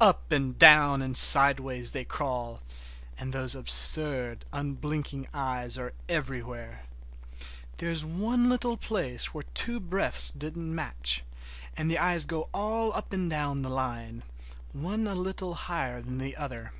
Up and down and sideways they crawl, and those absurd, unblinking eyes are everywhere. There is one place where two breadths didn't match, and the eyes go all up and down the line, one a little higher than the other.